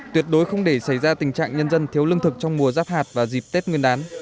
tuyệt đối không để xảy ra tình trạng nhân dân thiếu lương thực trong mùa giáp hạt và dịp tết nguyên đán